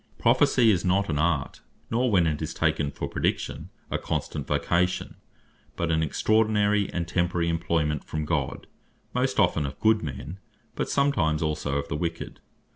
Prophecy is not an art, nor (when it is taken for Praediction) a constant Vocation; but an extraordinary, and temporary Employment from God, most often of Good men, but sometimes also of the Wicked.